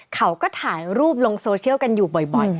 เขาก็ถ่ายรูปลงโซเชียลกันอยู่บ่อย